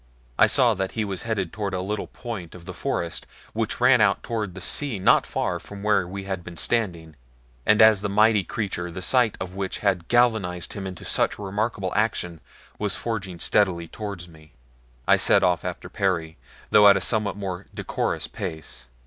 I saw that he was headed toward a little point of the forest which ran out toward the sea not far from where we had been standing, and as the mighty creature, the sight of which had galvanized him into such remarkable action, was forging steadily toward me, I set off after Perry, though at a somewhat more decorous pace.